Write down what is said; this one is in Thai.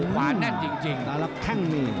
ขวานแน่นจริง่ะ